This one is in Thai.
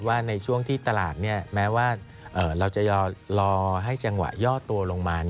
ว่าในช่วงที่ตลาดแม้ว่าเราจะรอให้จังหวะย่อตัวลงมา